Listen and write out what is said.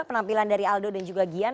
penampilan dari aldo dan juga gian